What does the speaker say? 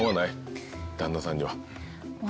旦那さんには。